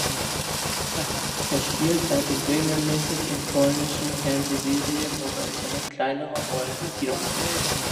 Er spielt seitdem regelmäßig in polnischen Fernsehserien oder übernimmt kleinere Rollen in Kinofilmen.